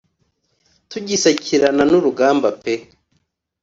Tugisakirana n’urugamba pe